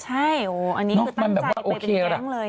ใช่อันนี้คือตั้งใจไปเป็นแก๊งเลยอ่ะ